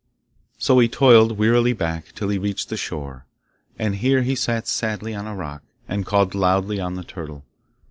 So he toiled wearily back, till he reached the shore, and here he sat sadly on a rock, and called loudly on the turtle.